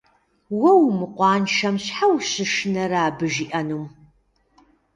Уэ умыкъуаншэм щхьэ ущышынэрэ абы жиӀэнум?